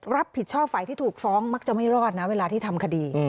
รับผิดชอบฝ่ายที่ถูกฟ้องมักจะไม่รอดนะเวลาที่ทำคดี